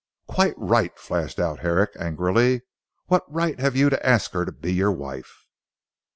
"Quite right," flashed out Herrick angrily. "What right have you to ask her to be your wife?"